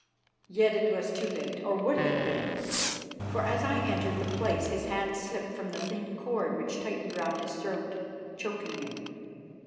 Yet it was too late, or would have been, for as I entered the place his hands slipped from the thin cord, which tightened round his throat, choking him.